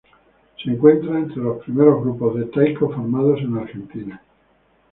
Se encuentra entre los primeros grupos de taiko formados en Argentina.